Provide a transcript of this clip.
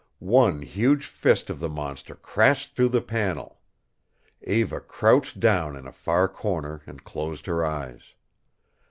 One huge fist of the monster crashed through the panel. Eva crouched down in a far corner and closed her eyes.